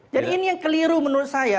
jadi ini yang keliru menurut saya